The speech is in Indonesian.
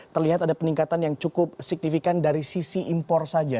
terlihat ada peningkatan yang cukup signifikan dari sisi impor saja